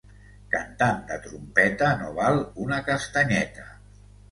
Cantant de trompeta no val una castanyeta.